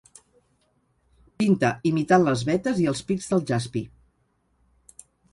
Pinta imitant les vetes i els pics del jaspi.